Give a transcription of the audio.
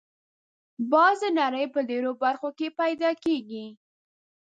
باز د نړۍ په ډېرو برخو کې پیدا کېږي